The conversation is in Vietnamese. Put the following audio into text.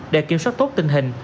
để kiểm soát tốt tình hình